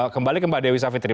kembali ke mbak dewi savitri